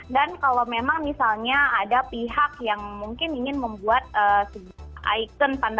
dan kalau memang misalnya ada pihak yang mungkin ingin membuat sebuah icon